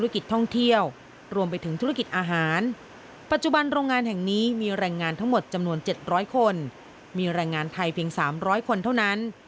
ขยะเข้าวน๗๐๐คนมีแรงงานไทยเพียง๓๐๐คนเท่านั้น